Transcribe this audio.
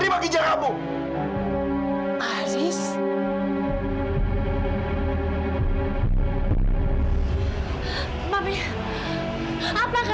apakah ini yang aku bilang